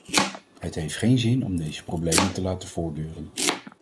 Het heeft geen zin om deze problemen te laten voortduren.